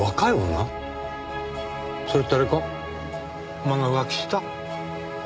お前が浮気した？